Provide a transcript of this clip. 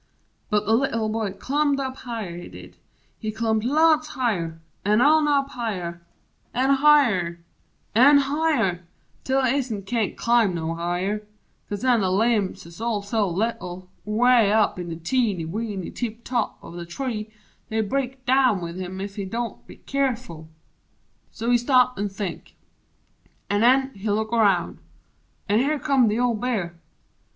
But th' Little Boy clumbed higher up, he did He clumbed lots higher an' on up higher an' higher An' higher tel he ist can't climb no higher, 'Cause nen the limbs 'uz all so little, 'way Up in the teeny weeny tip top of The tree, they'd break down wiv him ef he don't Be keerful! So he stop an' think: An' nen He look around An' here come th' old Bear!